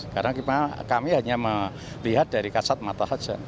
karena kami hanya melihat dari kasat mata saja